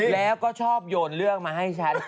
แล้วก็ชอบโยนเรื่องมาให้ฉัน